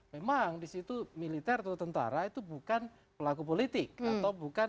memang di situ militer atau tentara itu bukan pelaku politik atau bukan